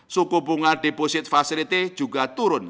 suku bunga deposit facility juga turun